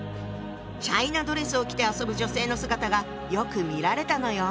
チャイナドレスを着て遊ぶ女性の姿がよく見られたのよ。